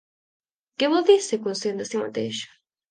Què vol dir ser conscient de si mateix?